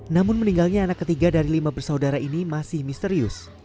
namun meninggalnya anak ketiga dari lima bersaudara ini masih misterius